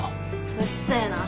うっせえな。